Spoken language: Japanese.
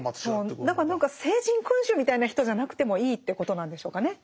何か聖人君子みたいな人じゃなくてもいいっていうことなんでしょうかね。